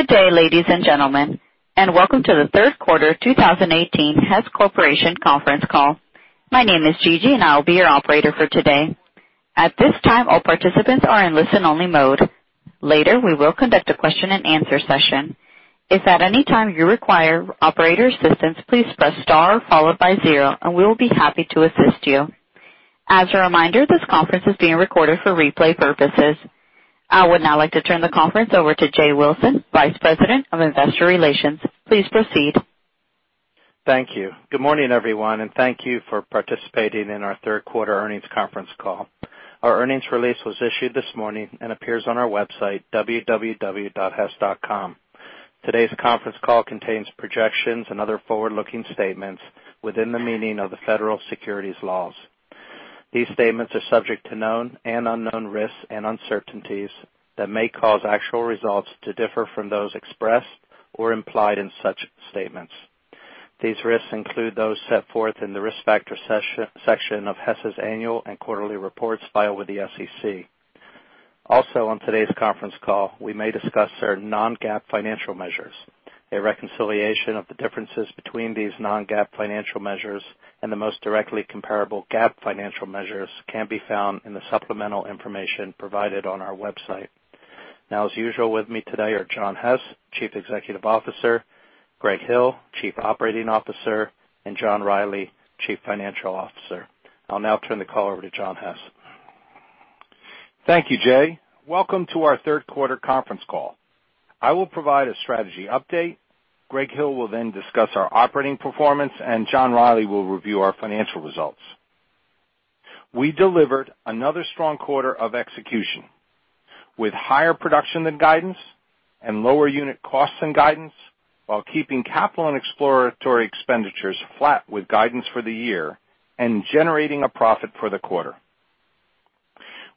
Good day, ladies and gentlemen, and welcome to the third quarter 2018 Hess Corporation conference call. My name is Gigi and I will be your operator for today. At this time, all participants are in listen-only mode. Later, we will conduct a question and answer session. If at any time you require operator assistance, please press star followed by zero, and we will be happy to assist you. As a reminder, this conference is being recorded for replay purposes. I would now like to turn the conference over to Jay Wilson, Vice President of Investor Relations. Please proceed. Thank you. Good morning, everyone. Thank you for participating in our third quarter earnings conference call. Our earnings release was issued this morning and appears on our website, www.hess.com. Today's conference call contains projections and other forward-looking statements within the meaning of the Federal Securities laws. These statements are subject to known and unknown risks and uncertainties that may cause actual results to differ from those expressed or implied in such statements. These risks include those set forth in the risk factor section of Hess's annual and quarterly reports filed with the SEC. On today's conference call, we may discuss certain non-GAAP financial measures. A reconciliation of the differences between these non-GAAP financial measures and the most directly comparable GAAP financial measures can be found in the supplemental information provided on our website. As usual, with me today are John Hess, Chief Executive Officer, Greg Hill, Chief Operating Officer, and John Rielly, Chief Financial Officer. I'll now turn the call over to John Hess. Thank you, Jay. Welcome to our third quarter conference call. I will provide a strategy update. Greg Hill will then discuss our operating performance, and John Rielly will review our financial results. We delivered another strong quarter of execution with higher production than guidance and lower unit costs than guidance, while keeping capital and exploratory expenditures flat with guidance for the year and generating a profit for the quarter.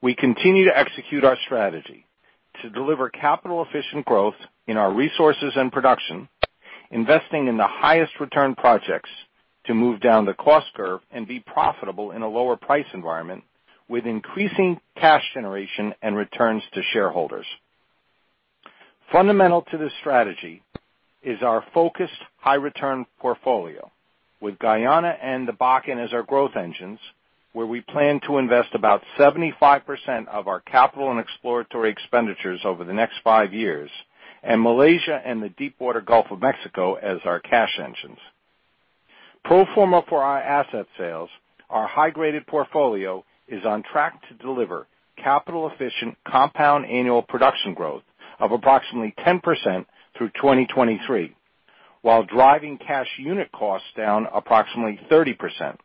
We continue to execute our strategy to deliver capital-efficient growth in our resources and production, investing in the highest return projects to move down the cost curve and be profitable in a lower price environment, with increasing cash generation and returns to shareholders. Fundamental to this strategy is our focused high-return portfolio with Guyana and the Bakken as our growth engines, where we plan to invest about 75% of our capital and exploratory expenditures over the next five years, and Malaysia and the Deepwater Gulf of Mexico as our cash engines. Pro forma for our asset sales, our high-graded portfolio is on track to deliver capital-efficient compound annual production growth of approximately 10% through 2023, while driving cash unit costs down approximately 30%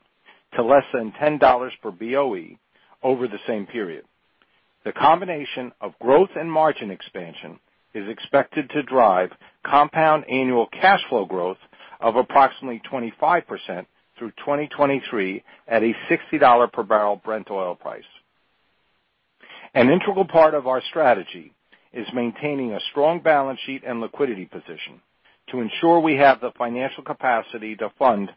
to less than $10 per BOE over the same period. The combination of growth and margin expansion is expected to drive compound annual cash flow growth of approximately 25% through 2023 at a $60 per barrel Brent oil price. An integral part of our strategy is maintaining a strong balance sheet and liquidity position to ensure we have the financial capacity to fund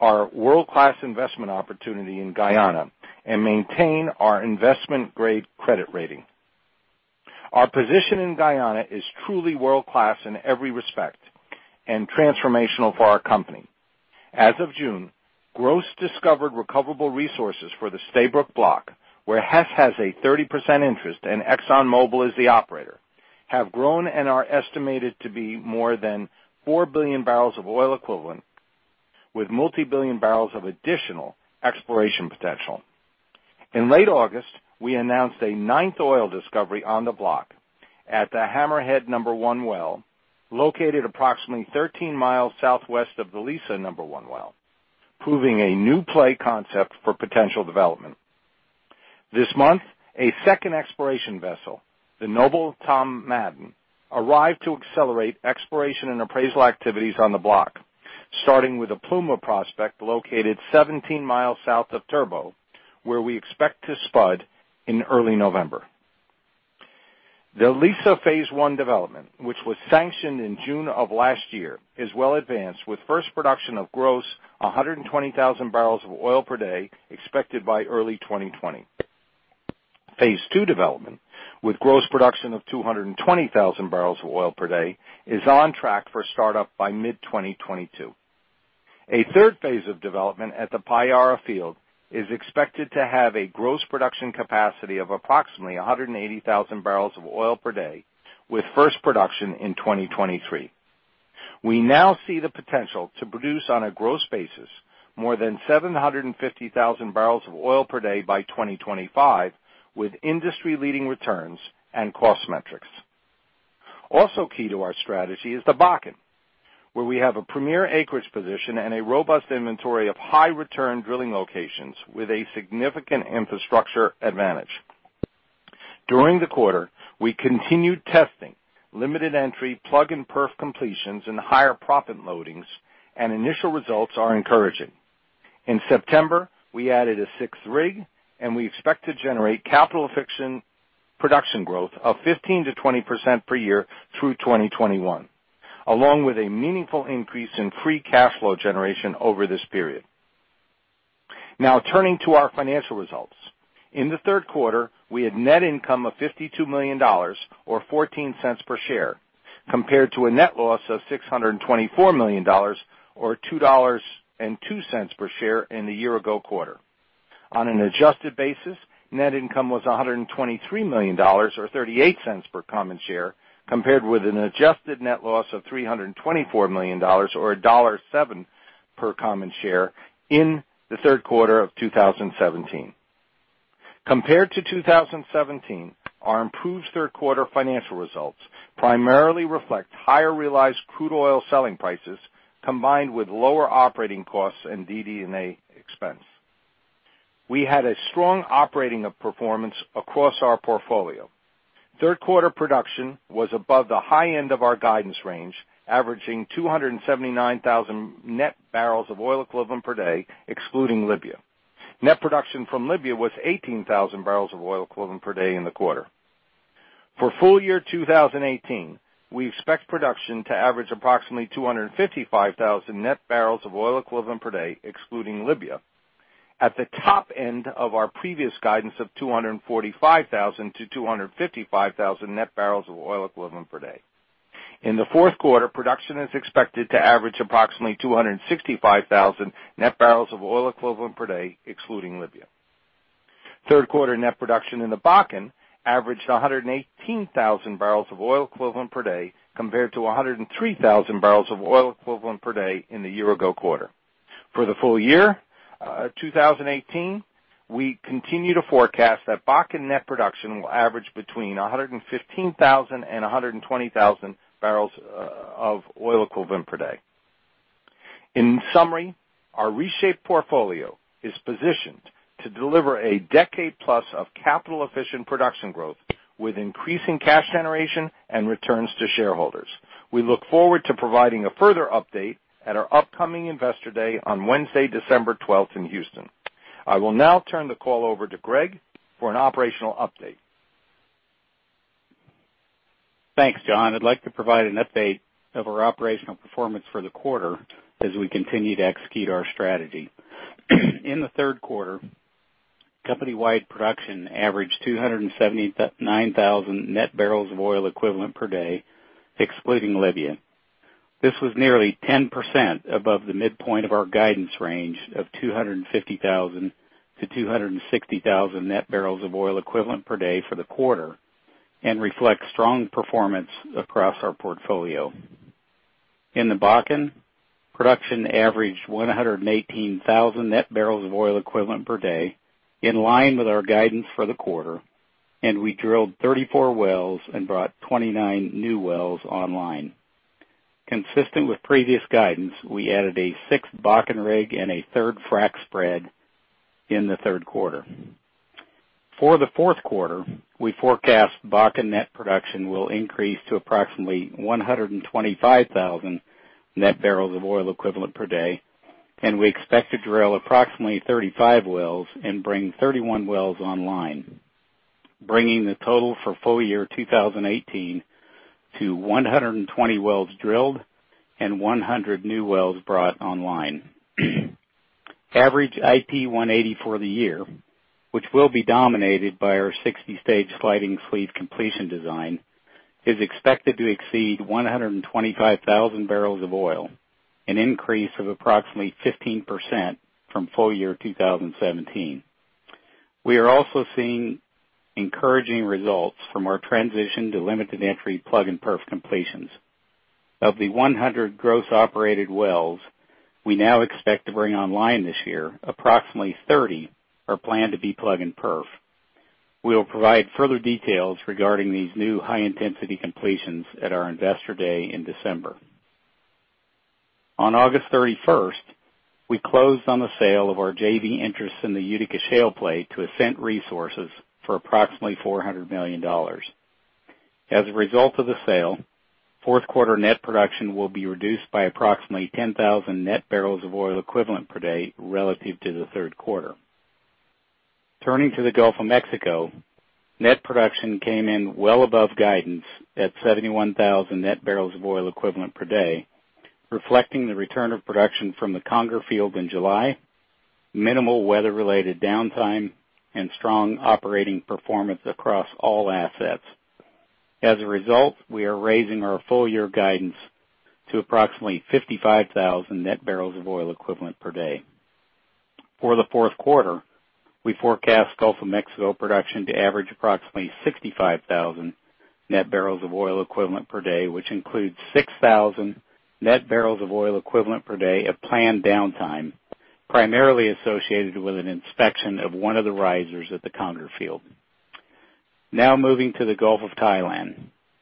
our world-class investment opportunity in Guyana and maintain our investment-grade credit rating. Our position in Guyana is truly world-class in every respect and transformational for our company. As of June, gross discovered recoverable resources for the Stabroek Block, where Hess has a 30% interest and ExxonMobil is the operator, have grown and are estimated to be more than 4 billion barrels of oil equivalent, with multi-billion barrels of additional exploration potential. In late August, we announced a ninth oil discovery on the block at the Hammerhead number 1 well, located approximately 13 miles southwest of the Liza number 1 well, proving a new play concept for potential development. This month, a second exploration vessel, the Noble Tom Madden, arrived to accelerate exploration and appraisal activities on the block, starting with the Pluma prospect located 17 miles south of Turbot, where we expect to spud in early November. The Liza Phase 1 development, which was sanctioned in June of last year, is well advanced with first production of gross 120,000 barrels of oil per day expected by early 2020. Phase 2 development, with gross production of 220,000 barrels of oil per day, is on track for startup by mid-2022. A third phase of development at the Payara field is expected to have a gross production capacity of approximately 180,000 barrels of oil per day, with first production in 2023. We now see the potential to produce on a gross basis more than 750,000 barrels of oil per day by 2025, with industry-leading returns and cost metrics. Also key to our strategy is the Bakken, where we have a premier acreage position and a robust inventory of high-return drilling locations with a significant infrastructure advantage. During the quarter, we continued testing limited entry plug and perf completions and higher proppant loadings, and initial results are encouraging. In September, we added a sixth rig, and we expect to generate capital-efficient production growth of 15%-20% per year through 2021, along with a meaningful increase in free cash flow generation over this period. Now turning to our financial results. In the third quarter, we had net income of $52 million or $0.14 per share, compared to a net loss of $624 million or $2.02 per share in the year ago quarter. On an adjusted basis, net income was $123 million or $0.38 per common share, compared with an adjusted net loss of $324 million or $1.07 per common share in the third quarter of 2017. Compared to 2017, our improved third quarter financial results primarily reflect higher realized crude oil selling prices, combined with lower operating costs and DD&A expense. We had a strong operating performance across our portfolio. Third quarter production was above the high end of our guidance range, averaging 279,000 net barrels of oil equivalent per day, excluding Libya. Net production from Libya was 18,000 barrels of oil equivalent per day in the quarter. For full year 2018, we expect production to average approximately 255,000 net barrels of oil equivalent per day, excluding Libya, at the top end of our previous guidance of 245,000 net barrels of oil equivalent per day-255,000 net barrels of oil equivalent per day. In the fourth quarter, production is expected to average approximately 265,000 net barrels of oil equivalent per day, excluding Libya. Third quarter net production in the Bakken averaged 118,000 barrels of oil equivalent per day, compared to 103,000 barrels of oil equivalent per day in the year ago quarter. For the full year 2018, we continue to forecast that Bakken net production will average between 115,000 and 120,000 barrels of oil equivalent per day. In summary, our reshaped portfolio is positioned to deliver a decade plus of capital-efficient production growth with increasing cash generation and returns to shareholders. We look forward to providing a further update at our upcoming Investor Day on Wednesday, December 12th in Houston. I will now turn the call over to Greg for an operational update. Thanks, John. I'd like to provide an update of our operational performance for the quarter as we continue to execute our strategy. In the third quarter, company-wide production averaged 279,000 net barrels of oil equivalent per day, excluding Libya. This was nearly 10% above the midpoint of our guidance range of 250,000 net barrels of oil equivalent per day-260,000 net barrels of oil equivalent per day for the quarter, and reflects strong performance across our portfolio. In the Bakken, production averaged 118,000 net barrels of oil equivalent per day, in line with our guidance for the quarter, and we drilled 34 wells and brought 29 new wells online. Consistent with previous guidance, we added a sixth Bakken rig and a third frac spread in the third quarter. For the fourth quarter, we forecast Bakken net production will increase to approximately 125,000 net barrels of oil equivalent per day. We expect to drill approximately 35 wells and bring 31 wells online, bringing the total for full year 2018 to 120 wells drilled and 100 new wells brought online. Average IP 180 for the year, which will be dominated by our 60-stage sliding sleeve completion design, is expected to exceed 125,000 barrels of oil, an increase of approximately 15% from full year 2017. We are also seeing encouraging results from our transition to limited entry plug and perf completions. Of the 100 gross operated wells we now expect to bring online this year, approximately 30 are planned to be plug and perf. We will provide further details regarding these new high-intensity completions at our Investor Day in December. On August 31st, we closed on the sale of our JV interest in the Utica Shale play to Ascent Resources for approximately $400 million. As a result of the sale, fourth quarter net production will be reduced by approximately 10,000 net barrels of oil equivalent per day relative to the third quarter. Turning to the Gulf of Mexico, net production came in well above guidance at 71,000 net barrels of oil equivalent per day, reflecting the return of production from the Conger field in July, minimal weather-related downtime, and strong operating performance across all assets. As a result, we are raising our full year guidance to approximately 55,000 net barrels of oil equivalent per day. For the fourth quarter, we forecast Gulf of Mexico production to average approximately 65,000 net barrels of oil equivalent per day, which includes 6,000 net barrels of oil equivalent per day of planned downtime, primarily associated with an inspection of one of the risers at the Conger field. Moving to the Gulf of Thailand.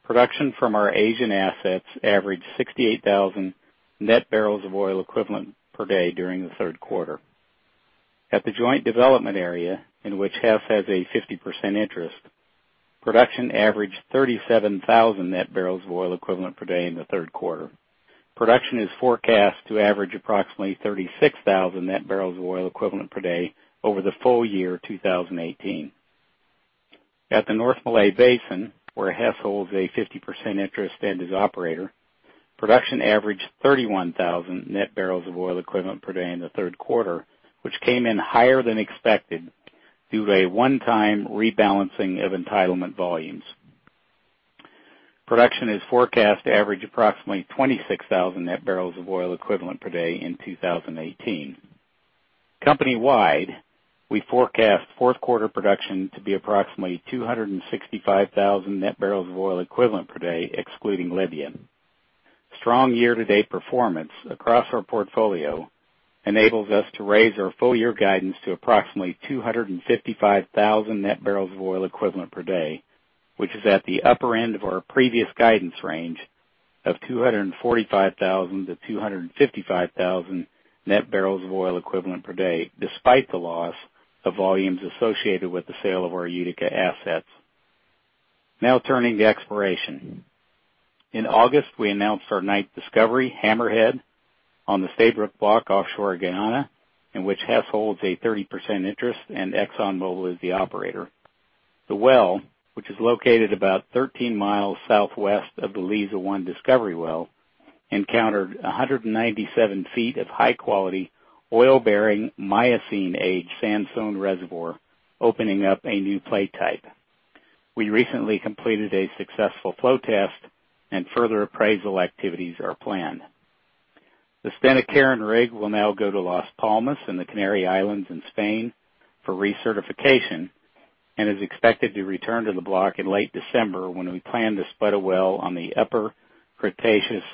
Production from our Asian assets averaged 68,000 net barrels of oil equivalent per day during the third quarter. At the joint development area, in which Hess has a 50% interest, production averaged 37,000 net barrels of oil equivalent per day in the third quarter. Production is forecast to average approximately 36,000 net barrels of oil equivalent per day over the full year 2018. At the North Malay Basin, where Hess holds a 50% interest and is operator, production averaged 31,000 net barrels of oil equivalent per day in the third quarter, which came in higher than expected due to a one-time rebalancing of entitlement volumes. Production is forecast to average approximately 26,000 net barrels of oil equivalent per day in 2018. Company-wide, we forecast fourth quarter production to be approximately 265,000 net barrels of oil equivalent per day, excluding Libyan. Strong year-to-date performance across our portfolio enables us to raise our full year guidance to approximately 255,000 net barrels of oil equivalent per day, which is at the upper end of our previous guidance range of 245,000 to 255,000 net barrels of oil equivalent per day, despite the loss of volumes associated with the sale of our Utica assets. Now turning to exploration. In August, we announced our ninth discovery, Hammerhead, on the Stabroek Block offshore Guyana, in which Hess holds a 30% interest and ExxonMobil is the operator. The well, which is located about 13 miles southwest of the Liza-1 discovery well, encountered 197 feet of high-quality oil-bearing Miocene-age sandstone reservoir, opening up a new play type. We recently completed a successful flow test, and further appraisal activities are planned. The Stena Carron rig will now go to Las Palmas in the Canary Islands in Spain for recertification and is expected to return to the block in late December, when we plan to spud a well on the Upper Cretaceous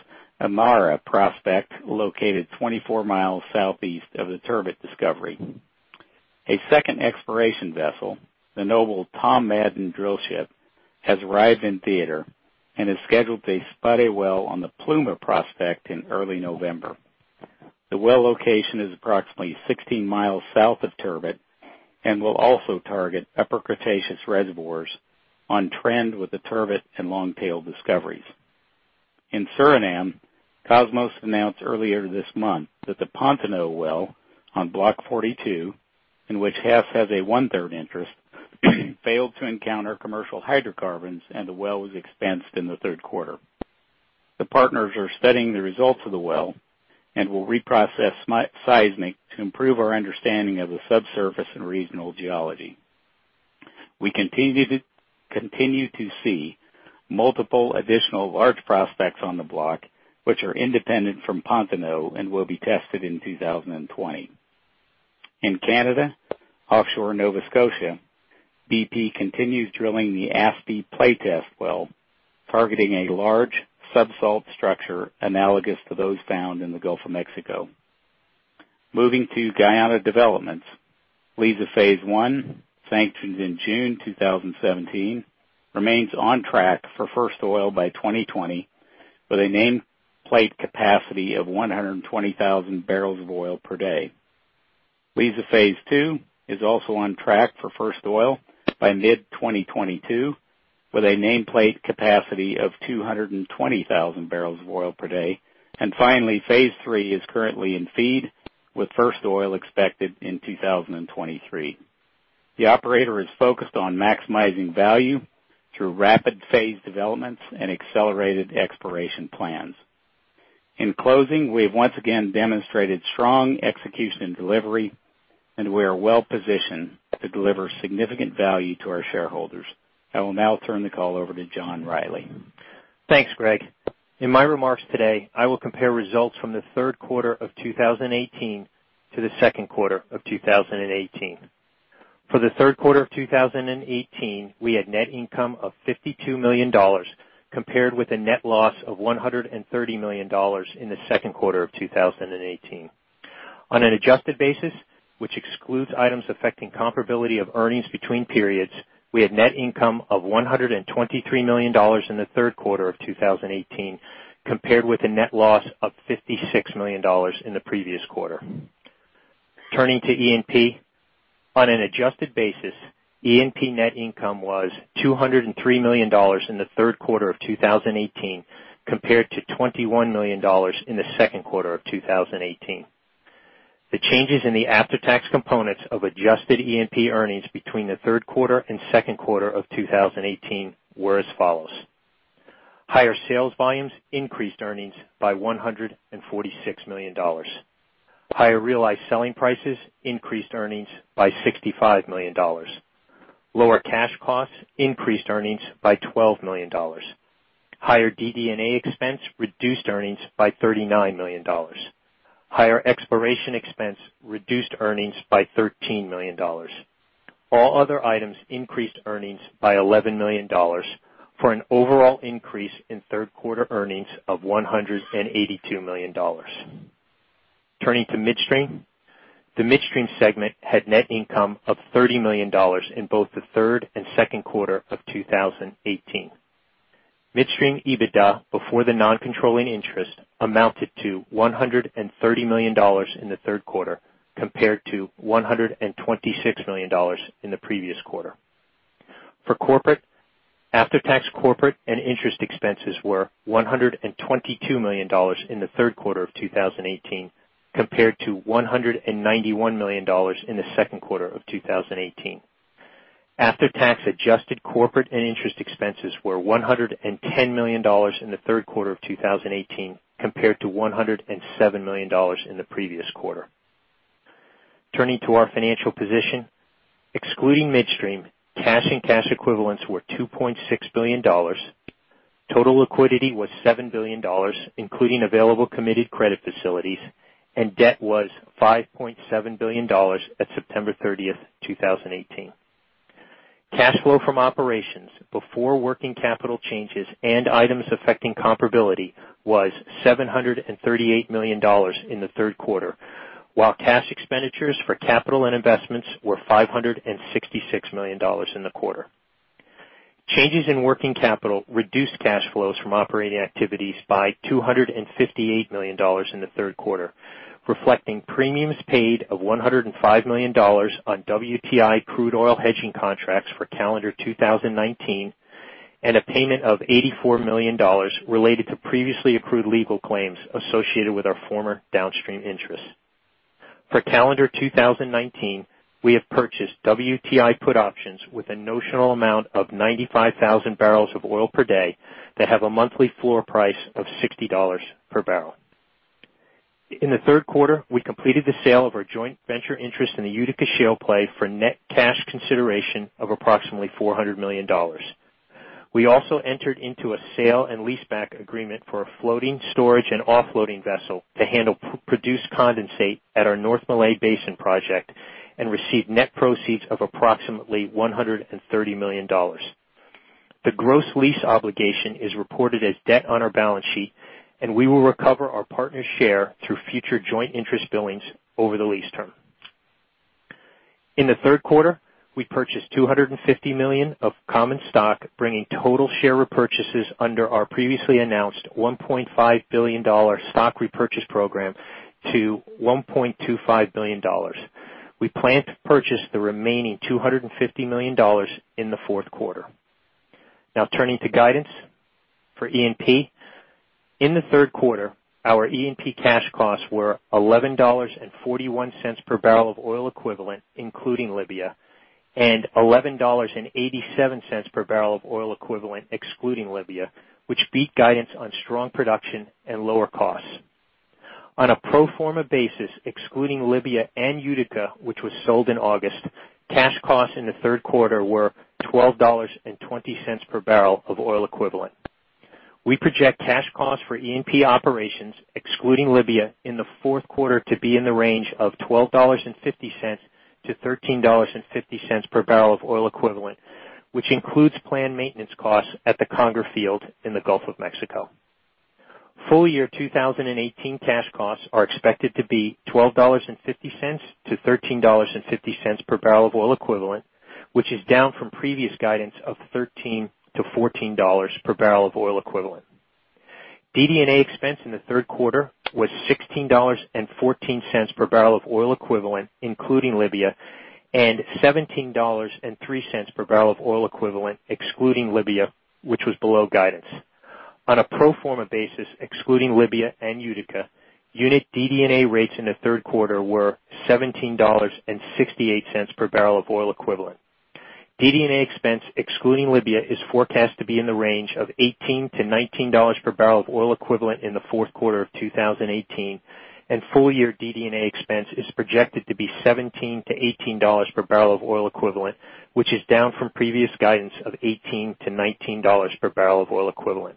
Amara prospect, located 24 miles southeast of the Turbot discovery. A second exploration vessel, the Noble Tom Madden drillship, has arrived in theater and is scheduled to spud a well on the Pluma prospect in early November. The well location is approximately 16 miles south of Turbot and will also target Upper Cretaceous reservoirs on trend with the Turbot and Longtail discoveries. In Suriname, Kosmos announced earlier this month that the Pontoenoe Well on Block 42, in which Hess has a one-third interest, failed to encounter commercial hydrocarbons, and the well was expensed in the third quarter. The partners are studying the results of the well and will reprocess seismic to improve our understanding of the subsurface and regional geology. We continue to see multiple additional large prospects on the block, which are independent from Pontoenoe and will be tested in 2020. In Canada, offshore Nova Scotia, BP continues drilling the Aspy play test well, targeting a large subsalt structure analogous to those found in the Gulf of Mexico. Moving to Guyana Developments. Liza Phase 1, sanctioned in June 2017, remains on track for first oil by 2020 with a nameplate capacity of 120,000 barrels of oil per day. Liza Phase 2 is also on track for first oil by mid-2022 with a nameplate capacity of 220,000 barrels of oil per day. Finally, Phase 3 is currently in FEED, with first oil expected in 2023. The operator is focused on maximizing value through rapid phase developments and accelerated exploration plans. In closing, we have once again demonstrated strong execution and delivery, and we are well-positioned to deliver significant value to our shareholders. I will now turn the call over to John Rielly. Thanks, Greg. In my remarks today, I will compare results from the third quarter of 2018 to the second quarter of 2018. For the third quarter of 2018, we had net income of $52 million, compared with a net loss of $130 million in the second quarter of 2018. On an adjusted basis, which excludes items affecting comparability of earnings between periods, we had net income of $123 million in the third quarter of 2018, compared with a net loss of $56 million in the previous quarter. Turning to E&P. On an adjusted basis, E&P net income was $203 million in the third quarter of 2018, compared to $21 million in the second quarter of 2018. The changes in the after-tax components of adjusted E&P earnings between the third quarter and second quarter of 2018 were as follows. Higher sales volumes increased earnings by $146 million. Higher realized selling prices increased earnings by $65 million. Lower cash costs increased earnings by $12 million. Higher DD&A expense reduced earnings by $39 million. Higher exploration expense reduced earnings by $13 million. All other items increased earnings by $11 million for an overall increase in third quarter earnings of $182 million. Turning to midstream. The midstream segment had net income of $30 million in both the third and second quarter of 2018. Midstream EBITDA, before the non-controlling interest, amounted to $130 million in the third quarter, compared to $126 million in the previous quarter. For corporate, After-tax corporate and interest expenses were $122 million in the third quarter of 2018, compared to $191 million in the second quarter of 2018. After-tax adjusted corporate and interest expenses were $110 million in the third quarter of 2018, compared to $107 million in the previous quarter. Turning to our financial position, excluding midstream, cash and cash equivalents were $2.6 billion. Total liquidity was $7 billion, including available committed credit facilities, and debt was $5.7 billion at September 30th, 2018. Cash flow from operations before working capital changes and items affecting comparability was $738 million in the third quarter, while cash expenditures for capital and investments were $566 million in the quarter. Changes in working capital reduced cash flows from operating activities by $258 million in the third quarter, reflecting premiums paid of $105 million on WTI crude oil hedging contracts for calendar 2019, and a payment of $84 million related to previously accrued legal claims associated with our former downstream interests. For calendar 2019, we have purchased WTI put options with a notional amount of 95,000 barrels of oil per day that have a monthly floor price of $60 per barrel. In the third quarter, we completed the sale of our joint venture interest in the Utica Shale play for net cash consideration of approximately $400 million. We also entered into a sale and leaseback agreement for a floating storage and offloading vessel to handle produced condensate at our North Malay Basin project and received net proceeds of approximately $130 million. The gross lease obligation is reported as debt on our balance sheet, and we will recover our partner's share through future joint interest billings over the lease term. In the third quarter, we purchased $250 million of common stock, bringing total share repurchases under our previously announced $1.5 billion stock repurchase program to $1.25 billion. We plan to purchase the remaining $250 million in the fourth quarter. Turning to guidance for E&P. In the third quarter, our E&P cash costs were $11.41 per BOE, including Libya, and $11.87 per BOE excluding Libya, which beat guidance on strong production and lower costs. On a pro forma basis, excluding Libya and Utica, which was sold in August, cash costs in the third quarter were $12.20 per BOE. We project cash costs for E&P operations, excluding Libya, in the fourth quarter to be in the range of $12.50-$13.50 per BOE, which includes planned maintenance costs at the Conger Field in the Gulf of Mexico. Full year 2018 cash costs are expected to be $12.50-$13.50 per BOE, which is down from previous guidance of $13-$14 per BOE. DD&A expense in the third quarter was $16.14 per BOE, including Libya, and $17.03 per BOE excluding Libya, which was below guidance. On a pro forma basis, excluding Libya and Utica, unit DD&A rates in the third quarter were $17.68 per BOE. DD&A expense excluding Libya is forecast to be in the range of $18-$19 per BOE in the fourth quarter of 2018, and full year DD&A expense is projected to be $17-$18 per BOE, which is down from previous guidance of $18-$19 per BOE.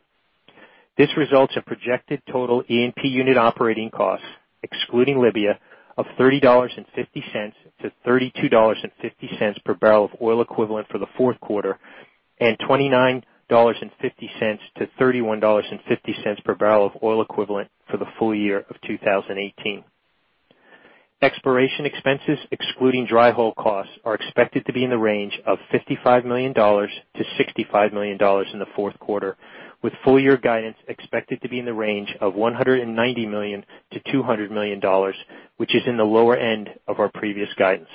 This results in projected total E&P unit operating costs, excluding Libya, of $30.50-$32.50 per BOE for the fourth quarter, and $29.50-$31.50 per BOE for the full year of 2018. Exploration expenses, excluding dry hole costs, are expected to be in the range of $55 million-$65 million in the fourth quarter, with full year guidance expected to be in the range of $190 million-$200 million, which is in the lower end of our previous guidance.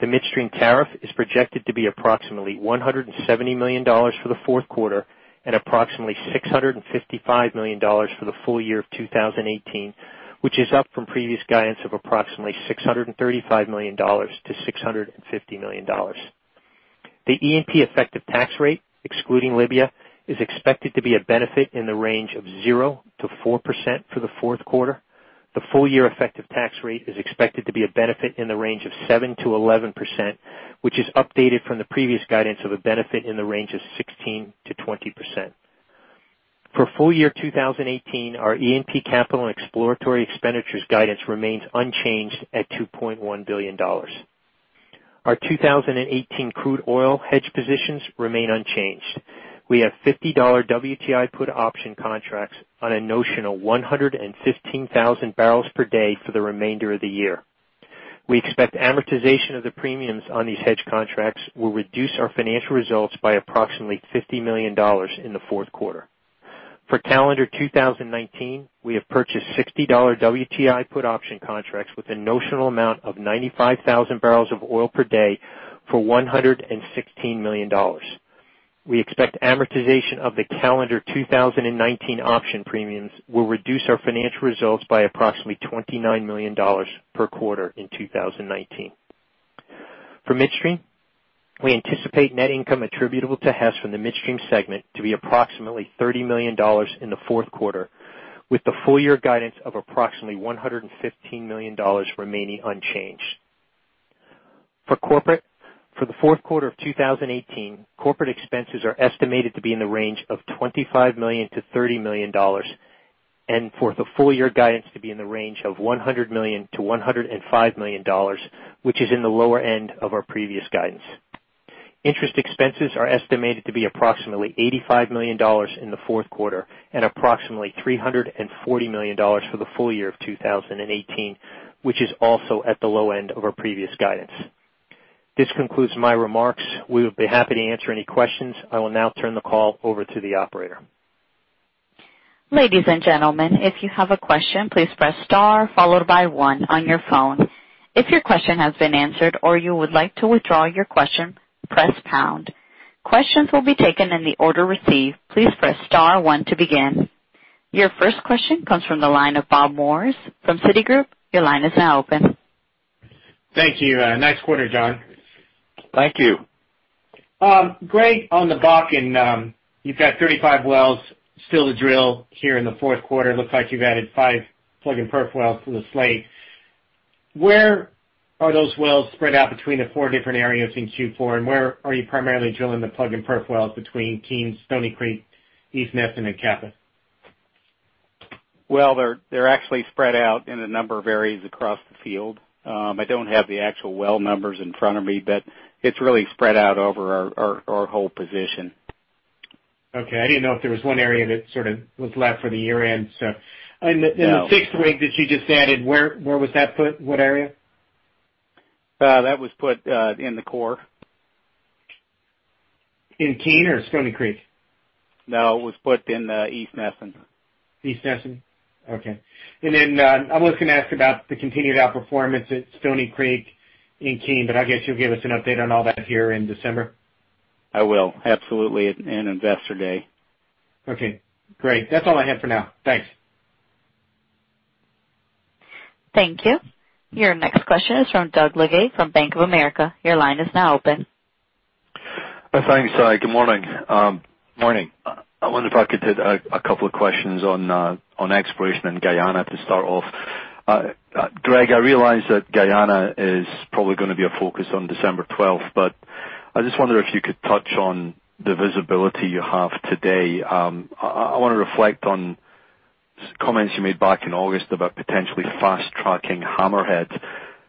The Midstream tariff is projected to be approximately $170 million for the fourth quarter and approximately $655 million for the full year of 2018, which is up from previous guidance of approximately $635 million-$650 million. The E&P effective tax rate, excluding Libya, is expected to be a benefit in the range of 0%-4% for the fourth quarter. The full-year effective tax rate is expected to be a benefit in the range of 7%-11%, which is updated from the previous guidance of a benefit in the range of 16%-20%. For full year 2018, our E&P capital and exploratory expenditures guidance remains unchanged at $2.1 billion. Our 2018 crude oil hedge positions remain unchanged. We have $50 WTI put option contracts on a notional 115,000 barrels per day for the remainder of the year. We expect amortization of the premiums on these hedge contracts will reduce our financial results by approximately $50 million in the fourth quarter. For calendar 2019, we have purchased $60 WTI put option contracts with a notional amount of 95,000 barrels of oil per day for $116 million. We expect amortization of the calendar 2019 option premiums will reduce our financial results by approximately $29 million per quarter in 2019. For Midstream, we anticipate net income attributable to Hess from the Midstream segment to be approximately $30 million in the fourth quarter, with the full year guidance of approximately $115 million remaining unchanged. For corporate, for the fourth quarter of 2018, corporate expenses are estimated to be in the range of $25 million-$30 million, and for the full year guidance to be in the range of $100 million-$105 million, which is in the lower end of our previous guidance. Interest expenses are estimated to be approximately $85 million in the fourth quarter and approximately $340 million for the full year of 2018, which is also at the low end of our previous guidance. This concludes my remarks. We would be happy to answer any questions. I will now turn the call over to the operator. Ladies and gentlemen, if you have a question, please press star followed by one on your phone. If your question has been answered or you would like to withdraw your question, press pound. Questions will be taken in the order received. Please press star one to begin. Your first question comes from the line of Robert Moore from Citigroup. Your line is now open. Thank you. Nice quarter, John. Thank you. Greg, on the Bakken, you've got 35 wells still to drill here in the fourth quarter. Looks like you've added five plug and perf wells to the slate. Where are those wells spread out between the four different areas in Q4, and where are you primarily drilling the plug and perf wells between Keene, Stony Creek, East Nesson, and KAPPA? Well, they're actually spread out in a number of areas across the field. I don't have the actual well numbers in front of me, but it's really spread out over our whole position. Okay. I didn't know if there was one area that sort of was left for the year-end. No. The sixth rig that you just added, where was that put? What area? That was put in the core. In Keene or Stony Creek? No, it was put in East Nesson. East Nesson? Okay. I was going to ask about the continued outperformance at Stony Creek in Keene, but I guess you'll give us an update on all that here in December. I will, absolutely, at Investor Day. Okay, great. That's all I have for now. Thanks. Thank you. Your next question is from Doug Leggate from Bank of America. Your line is now open. Thanks. Good morning. Morning. I wonder if I could take a couple of questions on exploration in Guyana to start off. Greg, I realize that Guyana is probably going to be a focus on December 12th, but I just wonder if you could touch on the visibility you have today. I want to reflect on comments you made back in August about potentially fast-tracking Hammerhead.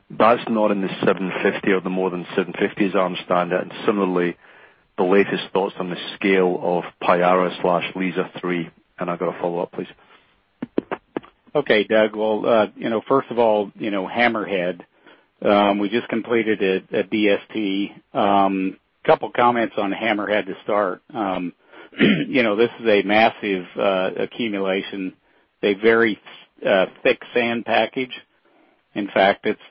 That's not in the 750 or the more than 750 as I understand it. Similarly, the latest thoughts on the scale of Payara/Liza-3. I've got a follow-up, please. Okay. Doug, well, first of all, Hammerhead, we just completed a DST. Couple of comments on Hammerhead to start. This is a massive accumulation, a very thick sand package. In fact, it's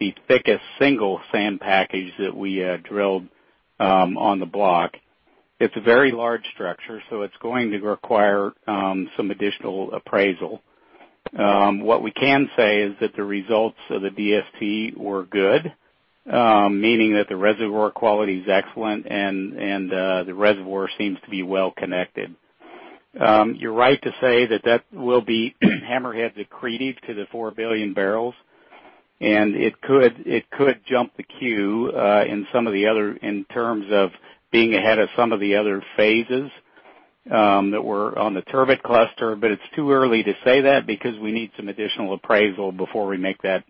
the thickest single sand package that we drilled on the block. It's a very large structure, so it's going to require some additional appraisal. What we can say is that the results of the DST were good, meaning that the reservoir quality is excellent and the reservoir seems to be well connected. You're right to say that that will be Hammerhead accretive to the 4 billion barrels, and it could jump the queue in terms of being ahead of some of the other phases that were on the Turbot cluster. It's too early to say that because we need some additional appraisal before we make that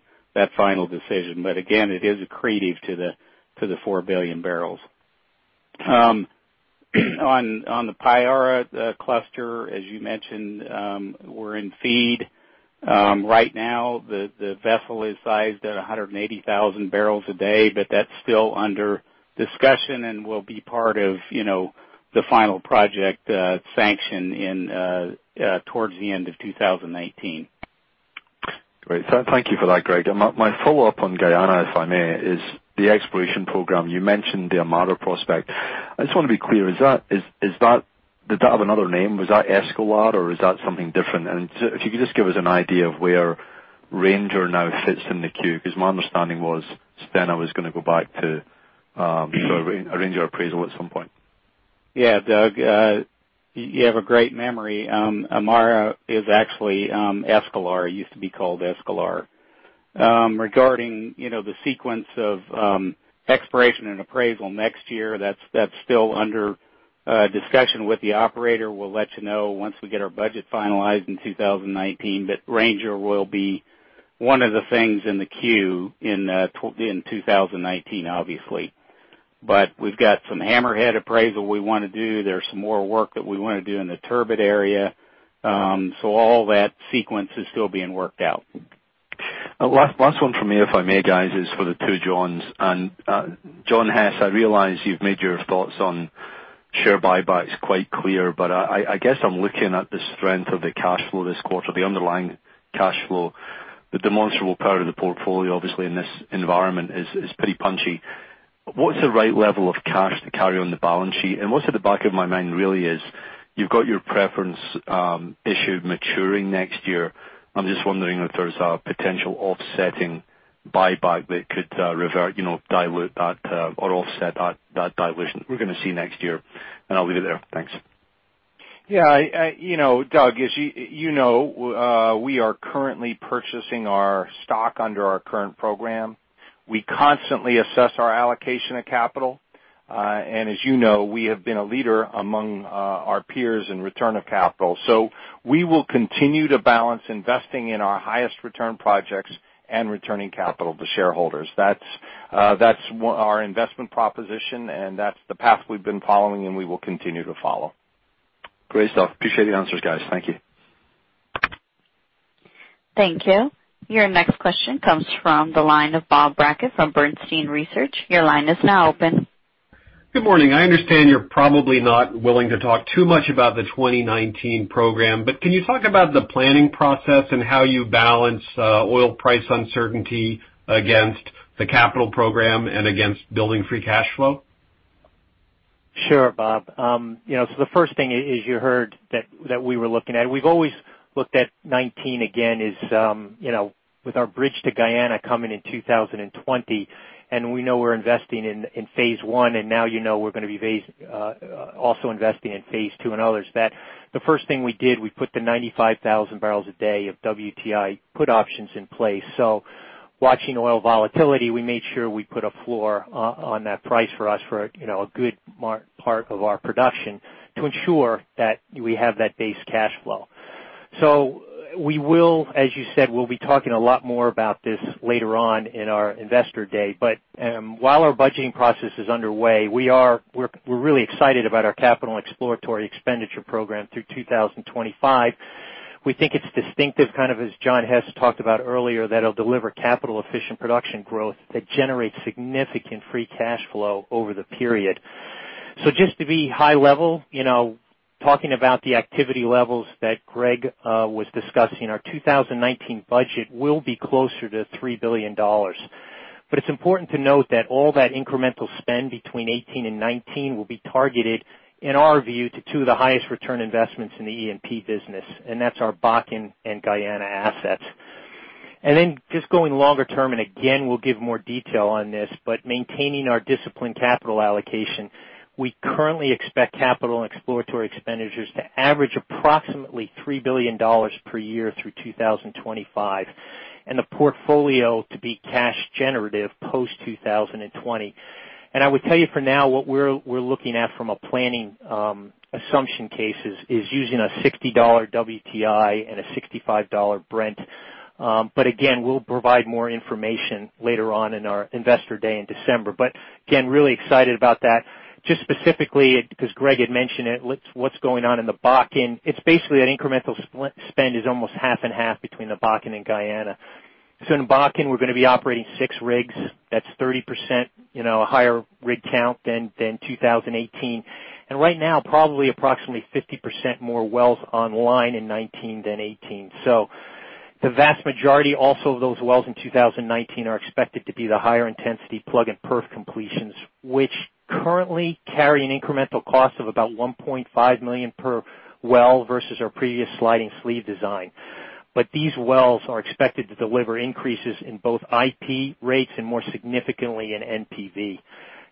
final decision. Again, it is accretive to the 4 billion barrels. On the Payara cluster, as you mentioned, we're in FEED. Right now, the vessel is sized at 180,000 barrels a day, but that's still under discussion and will be part of the final project sanction towards the end of 2019. Great. Thank you for that, Greg. My follow-up on Guyana, if I may, is the exploration program. You mentioned the Amara prospect. I just want to be clear, did that have another name? Was that Esquelard or is that something different? If you could just give us an idea of where Ranger now fits in the queue, because my understanding was Stena was going to go back to a Ranger appraisal at some point. Yeah, Doug, you have a great memory. Amara is actually Esquelard. It used to be called Esquelard. Regarding the sequence of exploration and appraisal next year, that's still under discussion with the operator. We'll let you know once we get our budget finalized in 2019. Ranger will be one of the things in the queue in 2019, obviously. We've got some Hammerhead appraisal we want to do. There's some more work that we want to do in the Turbot area. All that sequence is still being worked out. Last one from me, if I may, guys, is for the two Johns. John Hess, I realize you've made your thoughts on share buybacks quite clear, but I guess I'm looking at the strength of the cash flow this quarter, the underlying cash flow, the demonstrable power of the portfolio, obviously, in this environment is pretty punchy. What's the right level of cash to carry on the balance sheet? What's at the back of my mind really is, you've got your preference issue maturing next year. I'm just wondering if there's a potential offsetting buyback that could revert, dilute that, or offset that dilution we're going to see next year. I'll leave it there. Thanks. Yeah. Doug, as you know, we are currently purchasing our stock under our current program. We constantly assess our allocation of capital. As you know, we have been a leader among our peers in return of capital. We will continue to balance investing in our highest return projects and returning capital to shareholders. That's our investment proposition, and that's the path we've been following and we will continue to follow. Great stuff. Appreciate your answers, guys. Thank you. Thank you. Your next question comes from the line of Bob Brackett from Bernstein Research. Your line is now open. Good morning. I understand you're probably not willing to talk too much about the 2019 program, can you talk about the planning process and how you balance oil price uncertainty against the capital program and against building free cash flow? Sure, Bob. The first thing is you heard that we were looking at. We've always looked at '19, again, is with our bridge to Guyana coming in 2020, and we know we're investing in phase 1, and now you know we're going to be also investing in phase 2 and others. The first thing we did, we put the 95,000 barrels a day of WTI put options in place. Watching oil volatility, we made sure we put a floor on that price for us for a good part of our production to ensure that we have that base cash flow. We will, as you said, we'll be talking a lot more about this later on in our investor day. While our budgeting process is underway, we're really excited about our capital exploratory expenditure program through 2025. We think it's distinctive, kind of as John Hess talked about earlier, that it'll deliver capital efficient production growth that generates significant free cash flow over the period. Just to be high level, talking about the activity levels that Greg was discussing, our 2019 budget will be closer to $3 billion. It's important to note that all that incremental spend between '18 and '19 will be targeted, in our view, to two of the highest return investments in the E&P business, and that's our Bakken and Guyana assets. Then just going longer term, and again, we'll give more detail on this, maintaining our disciplined capital allocation, we currently expect capital and exploratory expenditures to average approximately $3 billion per year through 2025, and the portfolio to be cash generative post 2020. I would tell you for now, what we're looking at from a planning assumption case is using a $60 WTI and a $65 Brent. Again, we'll provide more information later on in our investor day in December. Again, really excited about that. Just specifically, because Greg had mentioned it, what's going on in the Bakken, it's basically that incremental spend is almost half and half between the Bakken and Guyana. In Bakken, we're going to be operating six rigs. That's 30% higher rig count than 2018. Right now, probably approximately 50% more wells online in 2019 than 2018. The vast majority also of those wells in 2019 are expected to be the higher intensity plug and perf completions, which currently carry an incremental cost of about $1.5 million per well versus our previous sliding sleeve design. These wells are expected to deliver increases in both IP rates and more significantly in NPV.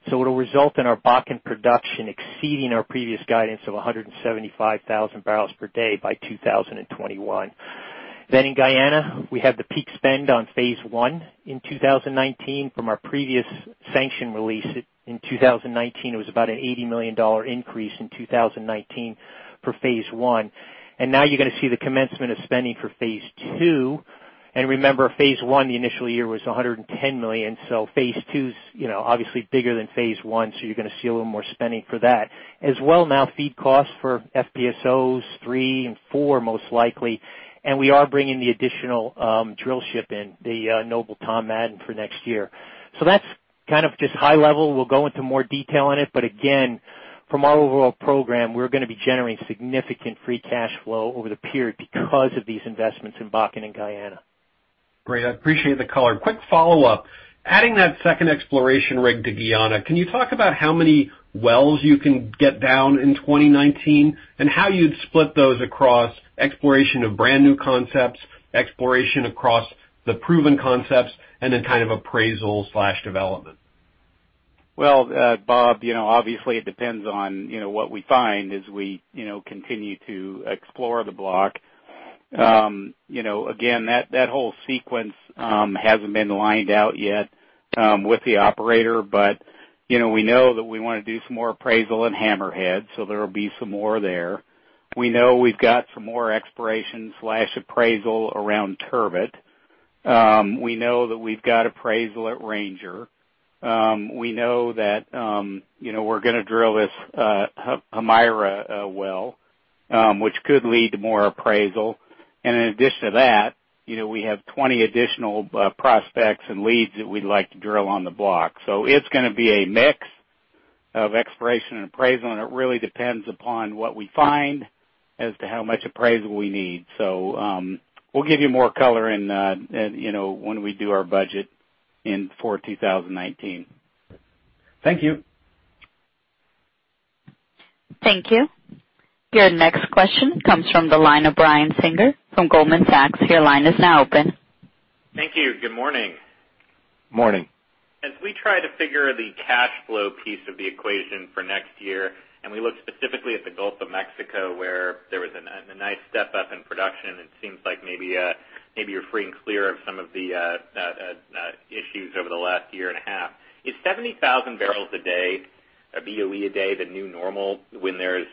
It'll result in our Bakken production exceeding our previous guidance of 175,000 barrels per day by 2021. In Guyana, we have the peak spend on Phase One in 2019 from our previous sanction release. In 2019, it was about an $80 million increase in 2019 for Phase One. Now you're going to see the commencement of spending for Phase Two. Remember, Phase One, the initial year was $110 million. Phase Two's obviously bigger than Phase One, so you're going to see a little more spending for that. As well now, feed costs for FPSOs three and four most likely, and we are bringing the additional drillship in, the Noble Tom Madden, for next year. That's kind of just high level. We'll go into more detail on it. Again, from our overall program, we're going to be generating significant free cash flow over the period because of these investments in Bakken and Guyana. Great. I appreciate the color. Quick follow-up. Adding that second exploration rig to Guyana, can you talk about how many wells you can get down in 2019, and how you'd split those across exploration of brand new concepts, exploration across the proven concepts, and then kind of appraisal/development? Bob, obviously it depends on what we find as we continue to explore the block. That whole sequence hasn't been lined out yet with the operator, but we know that we want to do some more appraisal in Hammerhead, so there will be some more there. We know we've got some more exploration/appraisal around Turbot. We know that we've got appraisal at Ranger. We know that we're going to drill this Haimara Well, which could lead to more appraisal. In addition to that, we have 20 additional prospects and leads that we'd like to drill on the block. It's going to be a mix of exploration and appraisal, and it really depends upon what we find as to how much appraisal we need. We'll give you more color when we do our budget for 2019. Thank you. Thank you. Your next question comes from the line of Brian Singer from Goldman Sachs. Your line is now open. Thank you. Good morning. Morning. We try to figure the cash flow piece of the equation for next year, and we look specifically at the Gulf of Mexico, where there was a nice step up in production, it seems like maybe you're free and clear of some of the issues over the last year and a half. Is 70,000 barrels a day, or BOE a day, the new normal when there's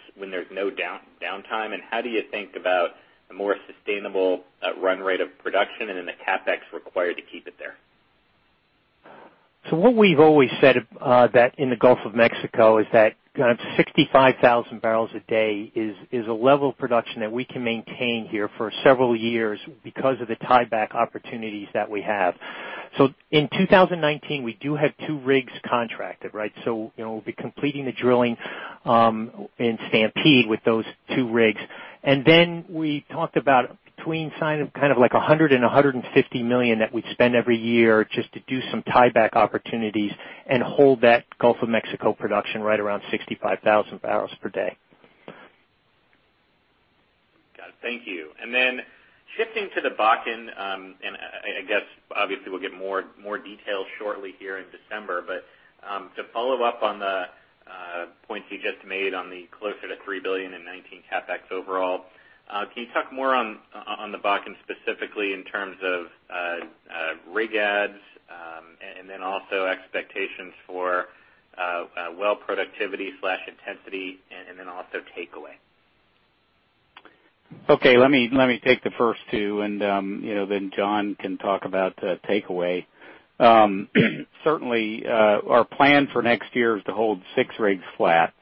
no downtime? How do you think about a more sustainable run rate of production and then the CapEx required to keep it there? What we've always said in the Gulf of Mexico is that 65,000 barrels a day is a level of production that we can maintain here for several years because of the tieback opportunities that we have. In 2019, we do have two rigs contracted. We'll be completing the drilling in Stampede with those two rigs. We talked about between kind of like $100 million-$150 million that we'd spend every year just to do some tieback opportunities and hold that Gulf of Mexico production right around 65,000 barrels per day. Got it. Thank you. Shifting to the Bakken, and I guess obviously we'll get more details shortly here in December, but to follow up on the points you just made on the closer to $3 billion in 2019 CapEx overall, can you talk more on the Bakken specifically in terms of rig adds, and then also expectations for well productivity/intensity and then also takeaway? Okay, let me take the first two and then John can talk about takeaway. Certainly, our plan for next year is to hold six rigs flat.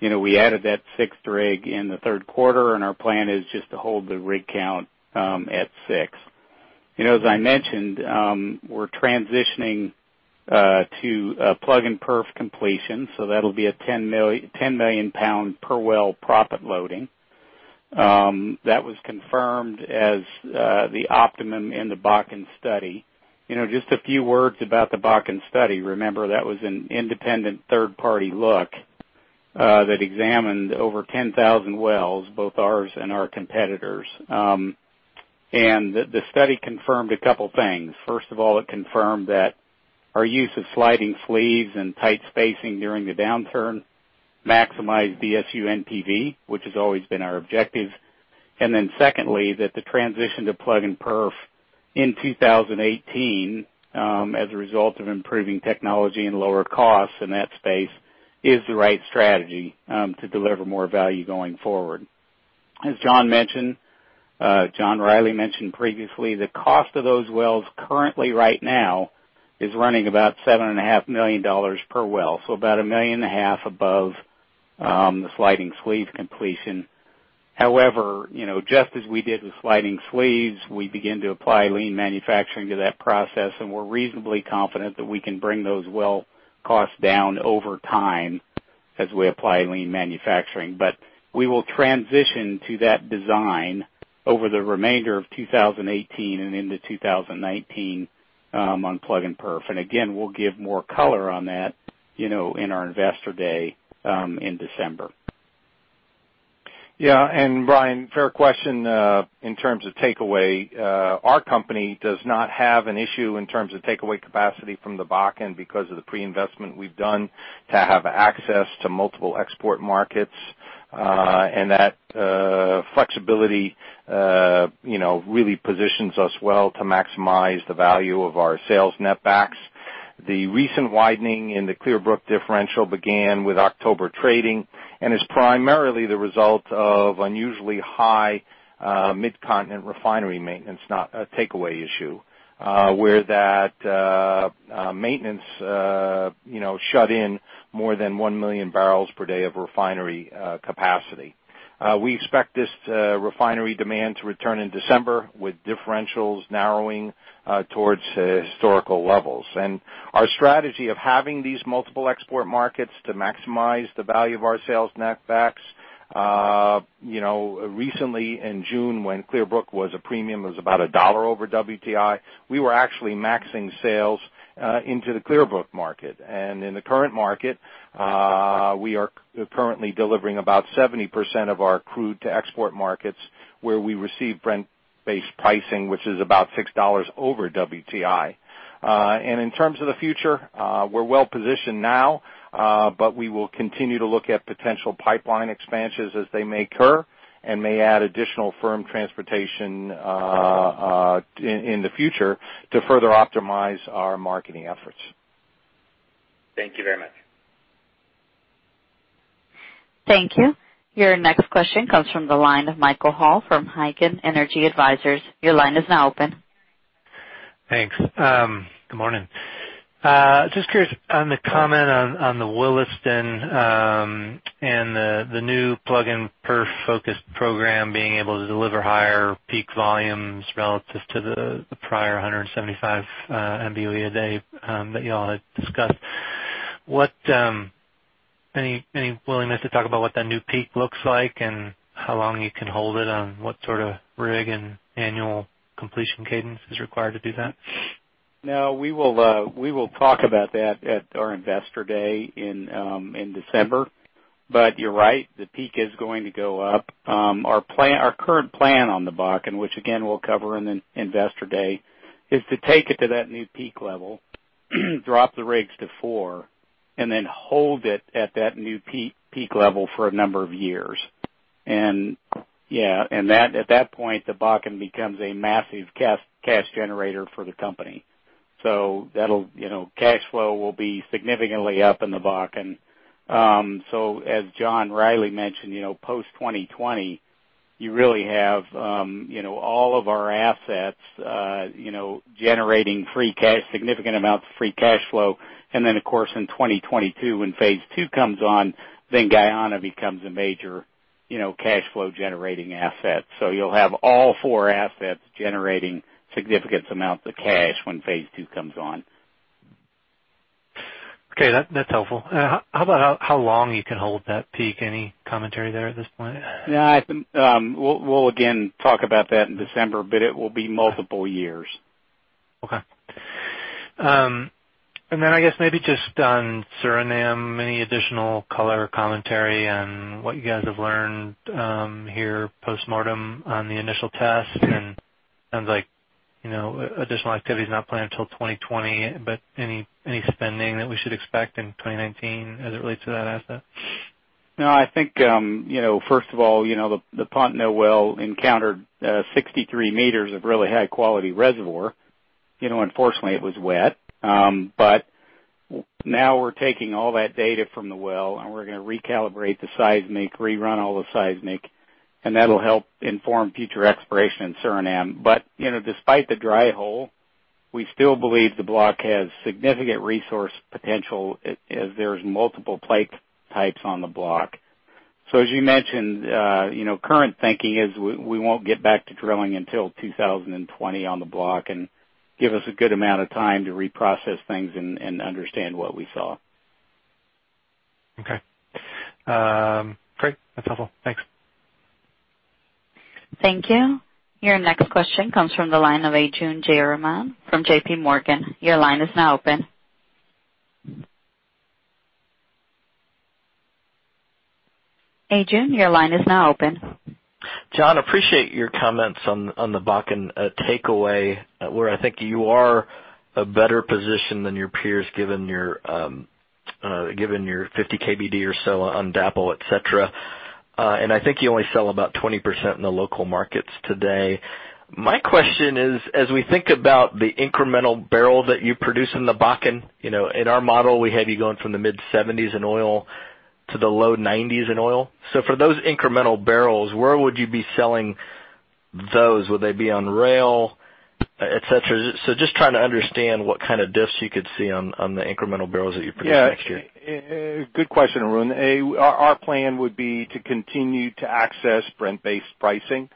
We added that sixth rig in the third quarter, and our plan is just to hold the rig count at six. As I mentioned, we're transitioning to plug and perf completion, that'll be a 10-million-pound per well proppant loading. That was confirmed as the optimum in the Bakken study. Just a few words about the Bakken study. Remember, that was an independent third party look that examined over 10,000 wells, both ours and our competitors. The study confirmed a couple things. First of all, it confirmed that our use of sliding sleeves and tight spacing during the downturn maximized BSU NTD, which has always been our objective. Secondly, the transition to plug and perf in 2018, as a result of improving technology and lower costs in that space, is the right strategy to deliver more value going forward. As John Rielly mentioned previously, the cost of those wells currently right now is running about $7.5 million per well, so about a million and a half above the sliding sleeve completion. However, just as we did with sliding sleeves, we began to apply lean manufacturing to that process, and we are reasonably confident that we can bring those well costs down over time as we apply lean manufacturing. We will transition to that design over the remainder of 2018 and into 2019 on plug and perf. Again, we will give more color on that in our investor day in December. Brian, fair question in terms of takeaway. Our company does not have an issue in terms of takeaway capacity from the Bakken because of the pre-investment we have done to have access to multiple export markets. That flexibility really positions us well to maximize the value of our sales netbacks. The recent widening in the Clearbrook differential began with October trading and is primarily the result of unusually high Mid-Continent refinery maintenance, not a takeaway issue, where that maintenance shut in more than 1 million barrels per day of refinery capacity. We expect this refinery demand to return in December with differentials narrowing towards historical levels. Our strategy of having these multiple export markets to maximize the value of our sales netbacks, recently in June when Clearbrook was a premium, it was about $1 over WTI, we were actually maxing sales into the Clearbrook market. In the current market, we are currently delivering about 70% of our crude to export markets where we receive Brent-based pricing, which is about $6 over WTI. In terms of the future, we are well positioned now, but we will continue to look at potential pipeline expansions as they may occur and may add additional firm transportation in the future to further optimize our marketing efforts. Thank you very much. Thank you. Your next question comes from the line of Michael Hall from Heikkinen Energy Advisors. Your line is now open. Thanks. Good morning. Just curious on the comment on the Williston, and the new plug-and-perf focused program being able to deliver higher peak volumes relative to the prior 175 MBOE a day that you all had discussed. Any willingness to talk about what that new peak looks like, and how long you can hold it, on what sort of rig and annual completion cadence is required to do that? No, we will talk about that at our investor day in December. You're right. The peak is going to go up. Our current plan on the Bakken, which again, we'll cover in investor day, is to take it to that new peak level, drop the rigs to four, and then hold it at that new peak level for a number of years. At that point, the Bakken becomes a massive cash generator for the company. Cash flow will be significantly up in the Bakken. As John Rielly mentioned, post 2020, you really have all of our assets generating significant amounts of free cash flow. Of course, in 2022, when phase two comes on, Guyana becomes a major cash flow generating asset. You'll have all four assets generating significant amounts of cash when phase two comes on. Okay, that's helpful. How about how long you can hold that peak? Any commentary there at this point? We'll again talk about that in December, but it will be multiple years. Okay. I guess maybe just on Suriname, any additional color or commentary on what you guys have learned here, postmortem on the initial test? Sounds like additional activity is not planned until 2020, but any spending that we should expect in 2019 as it relates to that asset? No, I think, first of all, the Pontno well encountered 63 meters of really high-quality reservoir. Unfortunately, it was wet. Now we're taking all that data from the well, and we're going to recalibrate the seismic, rerun all the seismic, and that'll help inform future exploration in Suriname. Despite the dry hole, we still believe the block has significant resource potential, as there's multiple play types on the block. As you mentioned, current thinking is we won't get back to drilling until 2020 on the block, and give us a good amount of time to reprocess things and understand what we saw. Okay. Great. That's helpful. Thanks. Thank you. Your next question comes from the line of Arjun Murti from JP Morgan. Your line is now open. Arjun, your line is now open. John, appreciate your comments on the Bakken takeaway, where I think you are a better position than your peers, given your 50 KBD or so on DAPL, et cetera. I think you only sell about 20% in the local markets today. My question is, as we think about the incremental barrel that you produce in the Bakken, in our model, we had you going from the mid-70s in oil to the low 90s in oil. For those incremental barrels, where would you be selling those? Would they be on rail, et cetera? Just trying to understand what kind of diffs you could see on the incremental barrels that you produce next year. Good question, Arjun. Our plan would be to continue to access Brent-based pricing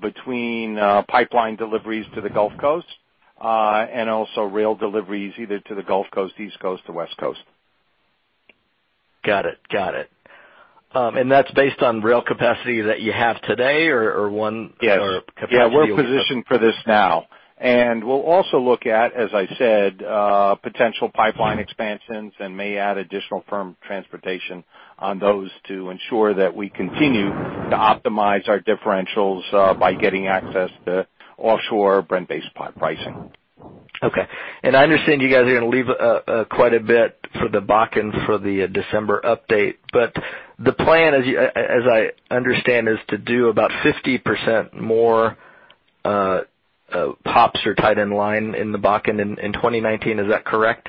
between pipeline deliveries to the Gulf Coast, also rail deliveries either to the Gulf Coast, East Coast, or West Coast. Got it. That's based on rail capacity that you have today or. Yes. Or capacity- Yeah, we're positioned for this now. We'll also look at, as I said, potential pipeline expansions and may add additional firm transportation on those to ensure that we continue to optimize our differentials by getting access to offshore Brent-based pricing. Okay. I understand you guys are going to leave quite a bit for the Bakken for the December update. The plan, as I understand, is to do about 50% more POPs or tie-in line in the Bakken in 2019. Is that correct?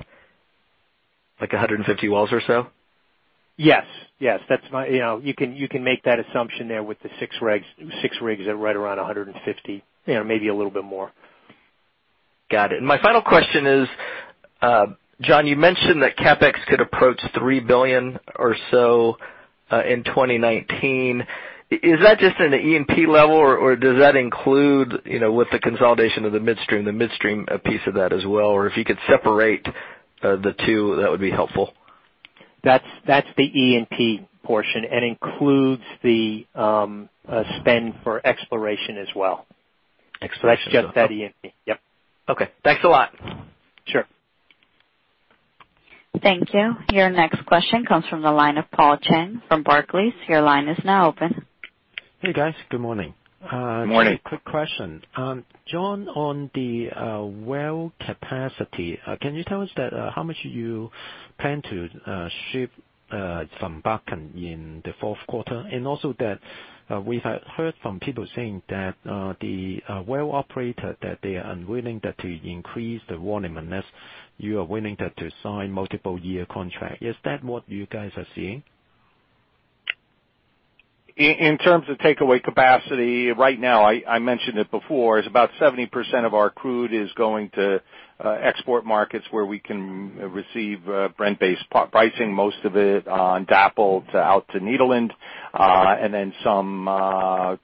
Like 150 wells or so? Yes. You can make that assumption there with the six rigs at right around 150, maybe a little bit more. Got it. My final question is, John, you mentioned that CapEx could approach $3 billion or so in 2019. Is that just in the E&P level, or does that include with the consolidation of the midstream, the midstream piece of that as well? Or if you could separate the two, that would be helpful. That's the E&P portion and includes the spend for exploration as well. Exploration. That's just that E&P. Yep. Okay. Thanks a lot. Sure. Thank you. Your next question comes from the line of Paul Cheng from Barclays. Your line is now open. Hey, guys. Good morning. Morning. Quick question. John, on the well capacity, can you tell us how much you plan to ship from Bakken in the fourth quarter? Also that we have heard from people saying that the rail operator, that they are unwilling to increase the volume unless you are willing to sign multiple year contract. Is that what you guys are seeing? In terms of takeaway capacity right now, I mentioned it before, is about 70% of our crude is going to export markets where we can receive Brent-based pricing, most of it on DAP out to Nederland, then some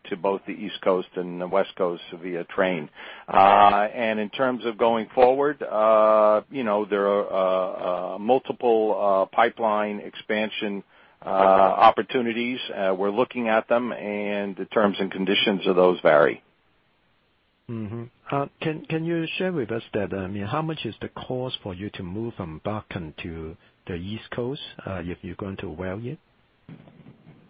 to both the East Coast and the West Coast via train. In terms of going forward, there are multiple pipeline expansion opportunities. We're looking at them, and the terms and conditions of those vary. Mm-hmm. Can you share with us how much is the cost for you to move from Bakken to the East Coast if you're going to rail it?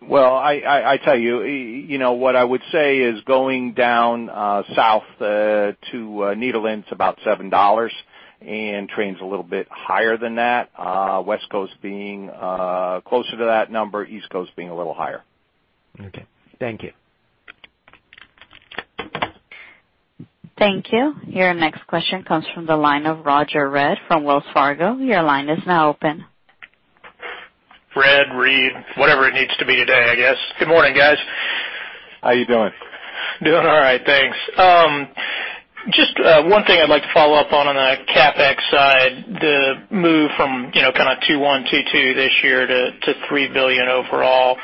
Well, I tell you, what I would say is going down south to Nederland's about $7, and train's a little bit higher than that. West Coast being closer to that number, East Coast being a little higher. Okay. Thank you. Thank you. Your next question comes from the line of Roger Read from Wells Fargo. Your line is now open. Read, whatever it needs to be today, I guess. Good morning, guys. How you doing? Doing all right, thanks. Just one thing I'd like to follow up on the CapEx side, the move from kind of $2.1, $2.2 this year to $3 billion overall.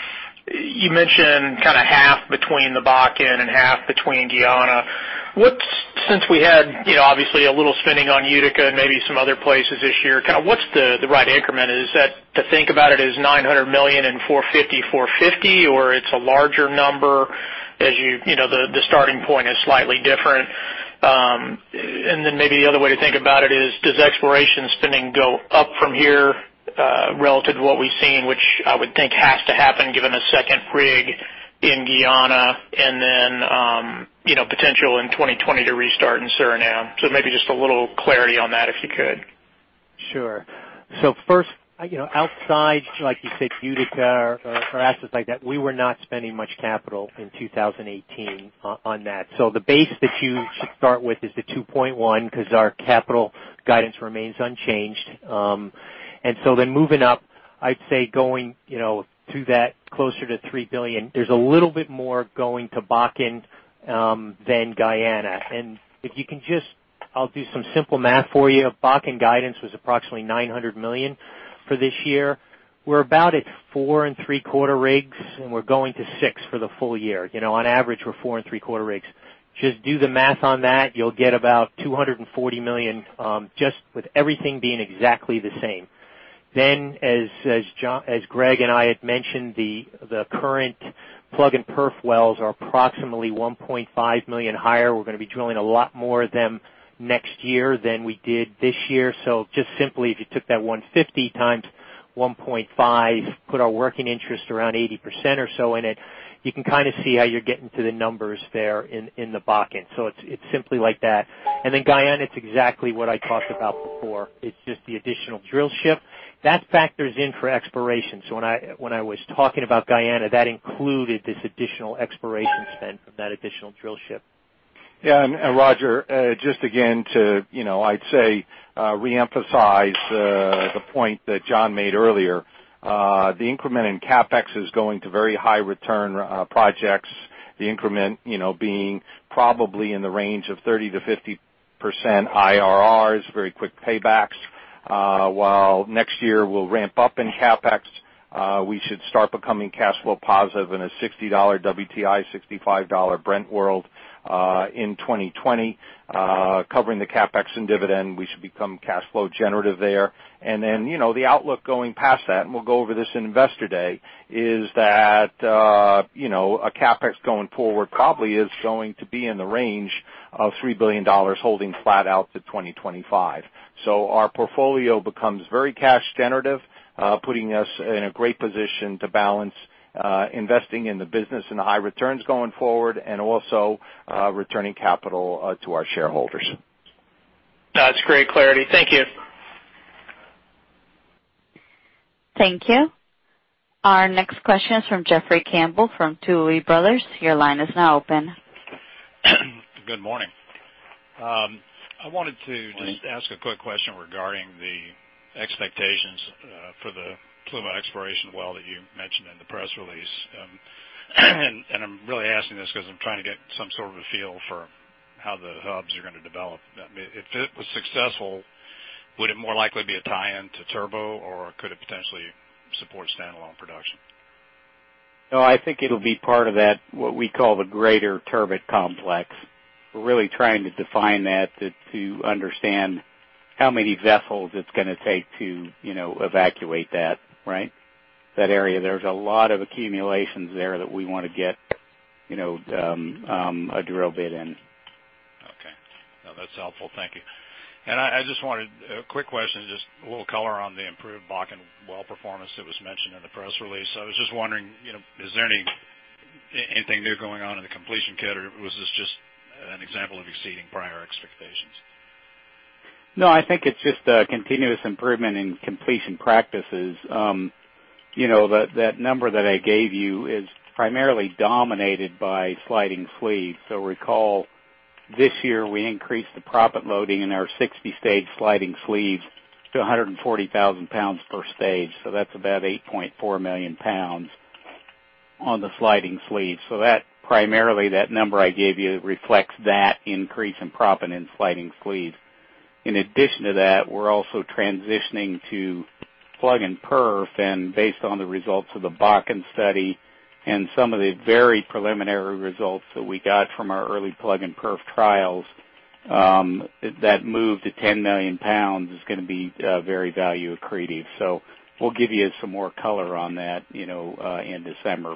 You mentioned half between the Bakken and half between Guyana. Since we had obviously a little spending on Utica and maybe some other places this year, what's the right increment? Is that to think about it as $900 million and $450, $450, or it's a larger number, as the starting point is slightly different? Maybe the other way to think about it is, does exploration spending go up from here, relative to what we've seen, which I would think has to happen given a second rig in Guyana and then potential in 2020 to restart in Suriname? Maybe just a little clarity on that, if you could. Sure. First, outside, like you said, Utica or assets like that, we were not spending much capital in 2018 on that. The base that you should start with is the $2.1, because our capital guidance remains unchanged. Moving up, I'd say going to that closer to $3 billion, there's a little bit more going to Bakken than Guyana. If you can just I'll do some simple math for you. Bakken guidance was approximately $900 million for this year. We're about at four and three-quarter rigs, and we're going to six for the full year. On average, we're four and three-quarter rigs. Just do the math on that. You'll get about $240 million, just with everything being exactly the same. As Greg and I had mentioned, the current plug and perf wells are approximately $1.5 million higher. We're going to be drilling a lot more of them next year than we did this year. Just simply, if you took that 150 times 1.5, put our working interest around 80% or so in it, you can see how you're getting to the numbers there in the Bakken. It's simply like that. Guyana, it's exactly what I talked about before. It's just the additional drillship. That factors in for exploration. When I was talking about Guyana, that included this additional exploration spend from that additional drillship. Yeah. Roger, just again to, I'd say, reemphasize the point that John made earlier. The increment in CapEx is going to very high return projects, the increment being probably in the range of 30%-50% IRRs, very quick paybacks. While next year we'll ramp up in CapEx, we should start becoming cash flow positive in a $60 WTI, $65 Brent world in 2020. Covering the CapEx and dividend, we should become cash flow generative there. The outlook going past that, and we'll go over this in Investor Day, is that a CapEx going forward probably is going to be in the range of $3 billion, holding flat out to 2025. Our portfolio becomes very cash generative, putting us in a great position to balance investing in the business and the high returns going forward, and also returning capital to our shareholders. That's great clarity. Thank you. Thank you. Our next question is from Jeffrey Campbell from Tuohy Brothers. Your line is now open. Good morning. Morning I wanted to ask a quick question regarding the expectations for the Pluma exploration well that you mentioned in the press release. I'm really asking this because I'm trying to get some sort of a feel for how the hubs are going to develop. If it was successful, would it more likely be a tie-in to Turbot, or could it potentially support standalone production? No, I think it'll be part of that, what we call the greater Turbot Complex. We're really trying to define that to understand how many vessels it's going to take to evacuate that area. There's a lot of accumulations there that we want to get a drill bit in. Okay. No, that's helpful. Thank you. I just wanted a quick question, just a little color on the improved Bakken well performance that was mentioned in the press release. I was just wondering, is there anything new going on in the completion kit, or was this just an example of exceeding prior expectations? No, I think it's just a continuous improvement in completion practices. That number that I gave you is primarily dominated by sliding sleeve. Recall this year, we increased the proppant loading in our 60-stage sliding sleeves to 140,000 pounds per stage. That's about 8.4 million pounds on the sliding sleeve. Primarily, that number I gave you reflects that increase in proppant in sliding sleeves. In addition to that, we're also transitioning to plug and perf. Based on the results of the Bakken study and some of the very preliminary results that we got from our early plug and perf trials, that move to 10 million pounds is going to be very value accretive. We'll give you some more color on that in December.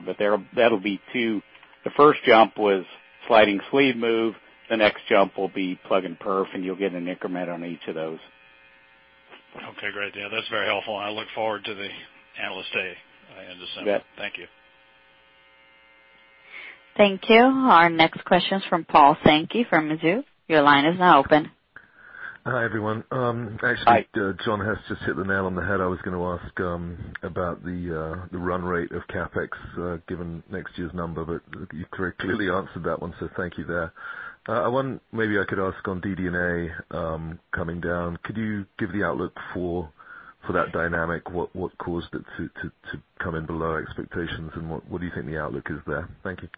That'll be two. The first jump was sliding sleeve move, the next jump will be plug and perf, and you'll get an increment on each of those. Okay, great. Yeah, that's very helpful. I look forward to the Analyst Day in December. Yeah. Thank you. Thank you. Our next question's from Paul Sankey from Mizuho. Your line is now open. Hi, everyone. Hi. Actually, John Hess just hit the nail on the head. I was going to ask about the run rate of CapEx given next year's number, but you clearly answered that one, so thank you there. One maybe I could ask on DD&A coming down, could you give the outlook for that dynamic? What caused it to come in below expectations, and what do you think the outlook is there? Thank you.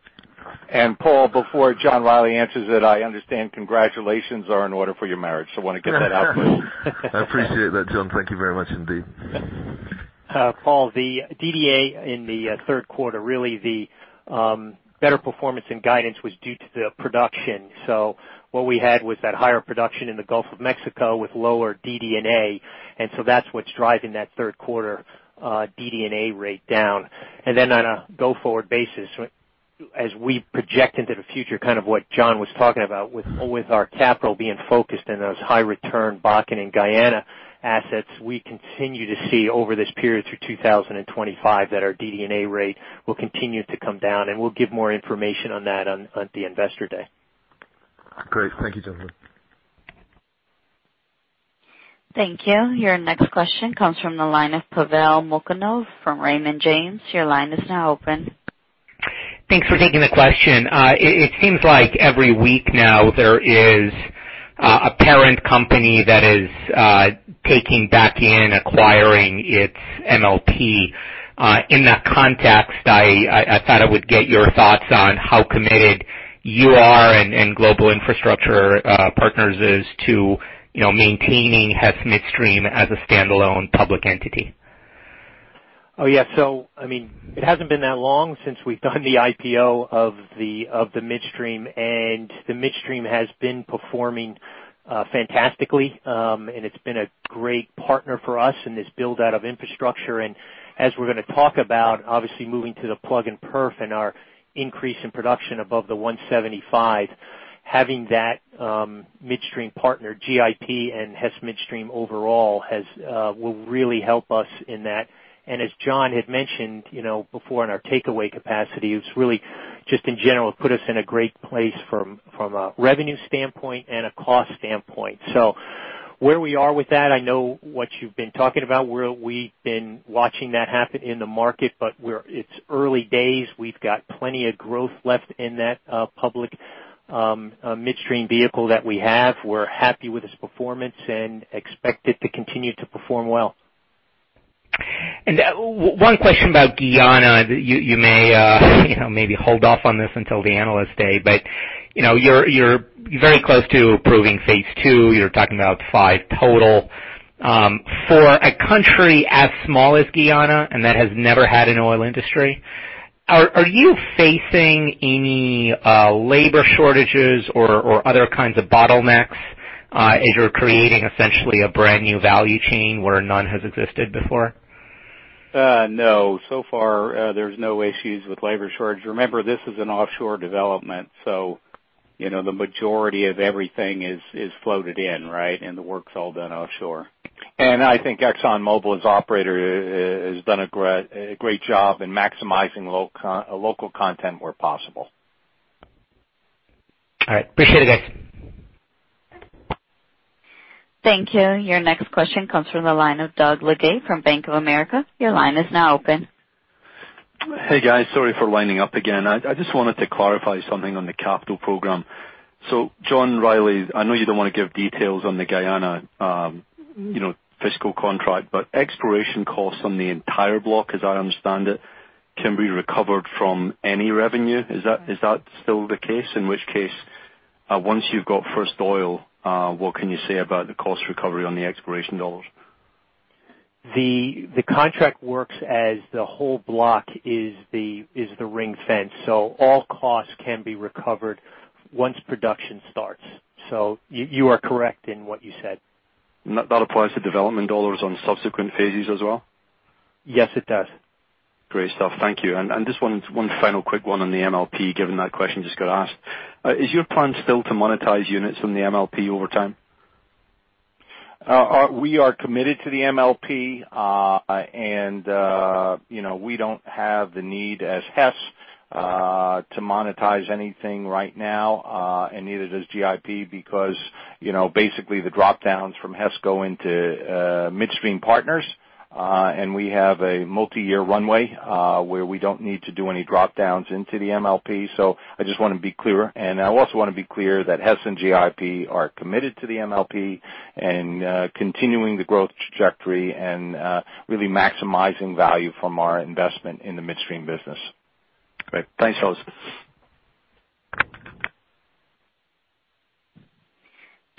Paul, before John Rielly answers it, I understand congratulations are in order for your marriage, so want to get that out there. I appreciate that, John. Thank you very much indeed. Paul, the DD&A in the third quarter, really the better performance and guidance was due to the production. What we had was that higher production in the Gulf of Mexico with lower DD&A, That's what's driving that third quarter DD&A rate down. On a go-forward basis, as we project into the future, kind of what John was talking about with our capital being focused in those high-return Bakken and Guyana assets, we continue to see over this period through 2025 that our DD&A rate will continue to come down, and we'll give more information on that on the Investor Day. Great. Thank you, gentlemen. Thank you. Your next question comes from the line of Pavel Molchanov from Raymond James. Your line is now open. Thanks for taking the question. It seems like every week now there is a parent company that is taking back in acquiring its MLP. In that context, I thought I would get your thoughts on how committed you are and Global Infrastructure Partners is to maintaining Hess Midstream as a standalone public entity. Oh, yeah. It hasn't been that long since we've done the IPO of the Midstream, and the Midstream has been performing fantastically. It's been a great partner for us in this build-out of infrastructure. As we're going to talk about, obviously moving to the plug and perf and our increase in production above the 175, having that Midstream partner, GIP, and Hess Midstream overall will really help us in that. As John had mentioned before in our takeaway capacity, it's really just in general put us in a great place from a revenue standpoint and a cost standpoint. Where we are with that, I know what you've been talking about, we've been watching that happen in the market, but it's early days. We've got plenty of growth left in that public Midstream vehicle that we have. We're happy with its performance and expect it to continue to perform well. One question about Guyana. You may maybe hold off on this until the Analyst Day, but you're very close to approving phase 2. You're talking about five total. For a country as small as Guyana and that has never had an oil industry, are you facing any labor shortages or other kinds of bottlenecks as you're creating essentially a brand new value chain where none has existed before? No. So far, there's no issues with labor shortage. Remember, this is an offshore development, the majority of everything is floated in, right? The work's all done offshore. I think ExxonMobil as operator has done a great job in maximizing local content where possible. All right. Appreciate it, guys. Thank you. Your next question comes from the line of Doug Leggate from Bank of America. Your line is now open. Hey, guys. Sorry for lining up again. I just wanted to clarify something on the capital program. John Rielly, I know you don't want to give details on the Guyana fiscal contract, but exploration costs on the entire block, as I understand it, can be recovered from any revenue. Is that still the case? In which case, once you've got first oil, what can you say about the cost recovery on the exploration dollars? The contract works as the whole block is the ring fence. All costs can be recovered once production starts. You are correct in what you said. That applies to development dollars on subsequent phases as well? Yes, it does. Great stuff. Thank you. Just one final quick one on the MLP, given that question just got asked. Is your plan still to monetize units from the MLP over time? We are committed to the MLP. We don't have the need as Hess to monetize anything right now, and neither does GIP, because basically the drop-downs from Hess go into Midstream Partners. We have a multi-year runway where we don't need to do any drop-downs into the MLP. I just want to be clear. I also want to be clear that Hess and GIP are committed to the MLP and continuing the growth trajectory and really maximizing value from our investment in the Midstream business. Great. Thanks, fellas.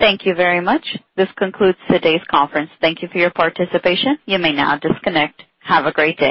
Thank you very much. This concludes today's conference. Thank you for your participation. You may now disconnect. Have a great day.